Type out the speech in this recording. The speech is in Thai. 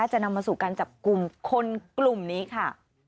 จะนำมาสู่การจับกลุ่มคนกลุ่มนี้ค่ะ